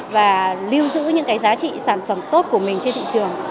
và lưu giữ những cái giá trị sản phẩm tốt của mình trên thị trường